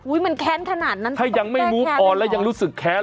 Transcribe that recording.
อุ๊ยมันแค้นขนาดนั้นต้องแก้แค้นหรอถ้ายังไม่มุ่งอ่อนแล้วยังรู้สึกแค้น